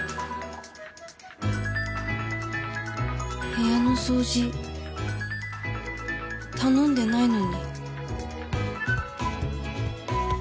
部屋の掃除頼んでないのに